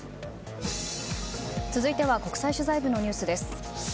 続いては国際取材部のニュースです。